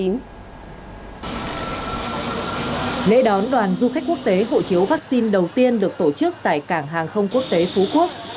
lễ đón đoàn du khách quốc tế hộ chiếu vaccine đầu tiên được tổ chức tại cảng hàng không quốc tế phú quốc